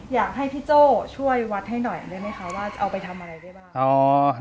อยากให้พี่โจ้ช่วยวัดให้หน่อยได้ไหมคะว่าจะเอาไปทำอะไรได้บ้าง